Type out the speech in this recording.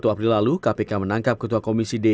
satu april lalu kpk menangkap ketua komisi d